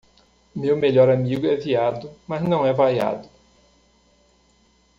meu melhor amigo é viado mas não é vaiado